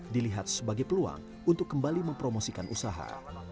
dilihat sebagai peluang untuk kembali mempromosikan usaha